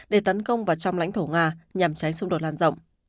để tấn công vào trong lãnh thổ nga nhằm tránh xung đột lan rộng